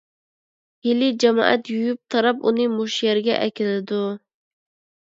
ھېلى جامائەت يۇيۇپ - تاراپ ئۇنى مۇشۇ يەرگە ئەكىلىدۇ.